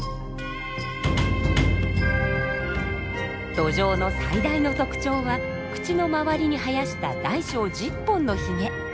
ドジョウの最大の特徴は口のまわりに生やした大小１０本のヒゲ。